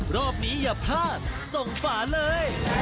รอบนี้อย่าพลาดส่งฝาเลย